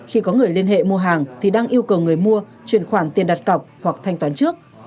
khi có người liên hệ mua hàng thì đang yêu cầu người mua chuyển khoản tiền đặt cọc hoặc thanh toán trước